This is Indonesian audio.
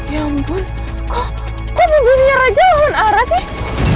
ya ampun kok kok begini aja orang orang ini sih